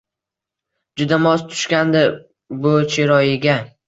Juda mos tushgandi bo` chiroyiga…